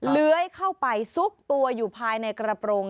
เลื้อยเข้าไปซุกตัวอยู่ภายในกระโปรง